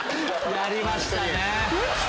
やりましたね！